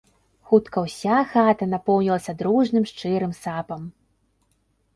Хутка ўся хата напоўнілася дружным, шчырым сапам.